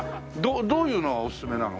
どういうのがおすすめなの？